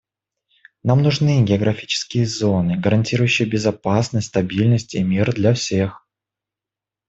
Нам нужны географические зоны, гарантирующие безопасность, стабильность и мир для всех.